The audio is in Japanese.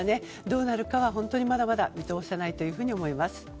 どうなるかは本当にまだまだ見通せないと思います。